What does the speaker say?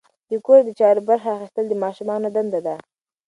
د کور د چارو برخه اخیستل د ماشومانو دنده ده.